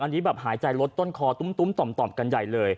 อันนี้แบบหายใจลดต้นคอตุ้มต่อมกันใหญ่เลย